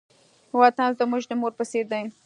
وطن زموږ د مور په څېر دی.